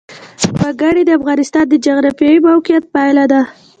وګړي د افغانستان د جغرافیایي موقیعت پایله ده.